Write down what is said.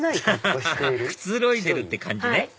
アハハくつろいでるって感じね